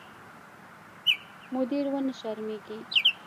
مدیر ونه شرمېږي.